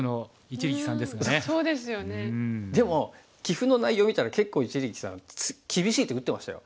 でも棋譜の内容見たら結構一力さん厳しい手打ってましたよ。